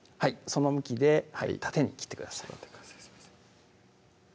その向きで縦に切ってください